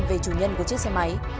về chủ nhân của chiếc xe máy